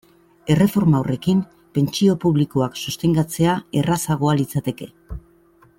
Erreforma horrekin, pentsio publikoak sostengatzea errazagoa litzateke.